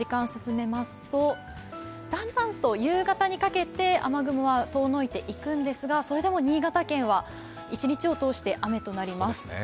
だんだんと夕方にかけて雨雲は遠のいていくんですがそれでも新潟県は一日を通して雨となります。